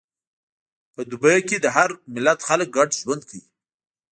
په دوبی کې د هر ملت خلک ګډ ژوند کوي.